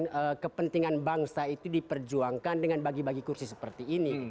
kemudian kepentingan bangsa itu diperjuangkan dengan bagi bagi kursi seperti ini